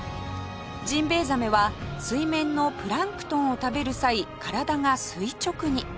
ジンベエザメは水面のプランクトンを食べる際体が垂直に